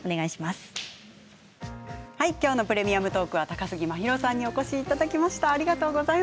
今日の「プレミアムトーク」は高杉真宙さんにお越しいただきました。